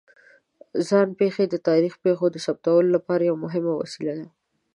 ځان پېښې د تاریخي پېښو د ثبتولو لپاره یوه مهمه وسیله ده.